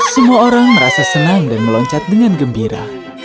semua orang merasa senang dan meloncat dengan gembira